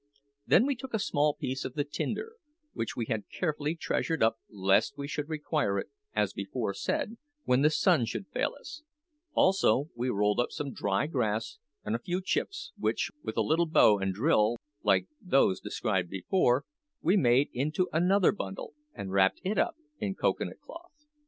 Then we took a small piece of the tinder, which we had carefully treasured up lest we should require it, as before said, when the sun should fail us; also, we rolled up some dry grass and a few chips, which, with a little bow and drill, like those described before, we made into another bundle and wrapped it up in cocoa nut cloth.